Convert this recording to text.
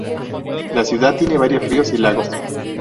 La ciudad tiene varios ríos y lagos.